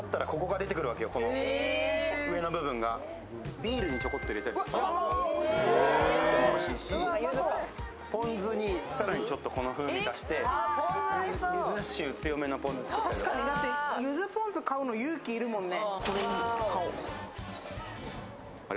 ビールに、ちょこっと入れたりしてもおいしいし、ポン酢に更にちょっとこの風味を足して、ゆず臭強めのポン酢とか確かに、ゆずポン酢買うの勇気いるもんね。